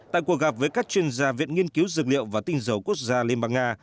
tại cuộc gặp với các chuyên gia viện nghiên cứu dược liệu và tinh dầu quốc gia liên bang nga